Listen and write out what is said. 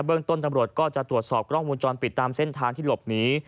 เรื่องต้นตำรวจก็จะตรวจสอบกล้องวงจรปิดตามเส้นทางที่หลบหนี